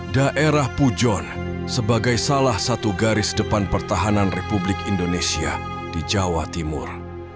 daerah pujon sebagai salah satu garis depan pertahanan republik indonesia di jawa timur